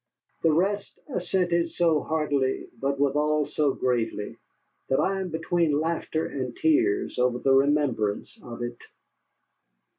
The rest assented so heartily but withal so gravely, that I am between laughter and tears over the remembrance of it.